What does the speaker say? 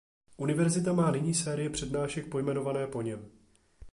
Univerzita má nyní série přednášek pojmenované po něm.